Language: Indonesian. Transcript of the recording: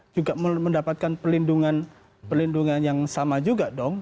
juga mendapatkan pelindungan pelindungan yang sama juga dong